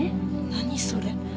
何それ。